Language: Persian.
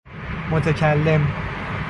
متکلم